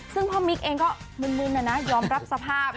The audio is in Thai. ซึ่งพ่อมิ๊กเองก็มึนนะนะยอมรับสภาพ